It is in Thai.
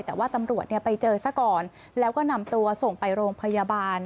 แต่ว่าตำรวจไปเจอซะก่อนแล้วก็นำตัวส่งไปโรงพยาบาล